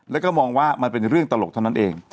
แล้วก็มองว่ามันเป็นเรื่องตลกเท่านั้นเอง